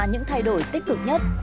những thay đổi tích cực nhất